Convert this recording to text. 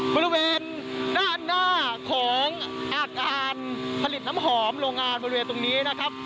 บริเวณด้านหน้าของอาคารผลิตน้ำหอมโรงงานบริเวณตรงนี้นะครับ